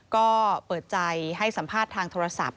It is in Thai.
ก็เปิดใจให้สัมภาษณ์ทางโทรศัพท์